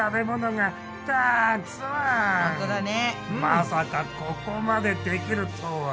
まさかここまでできるとは！